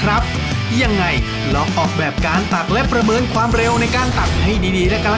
อ่ะยังไม่เชื่อเดี๋ยวขออีกฟร์ลกเดี๋ยวก๊อฟ